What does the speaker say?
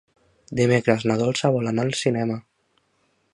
Dimecres na Dolça vol anar al cinema.